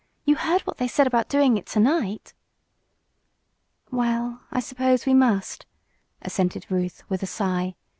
You heard what they said about doing it to night!" "Well, I suppose we must," assented Ruth, with a sigh.